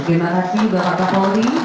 terima kasih bapak pak pauli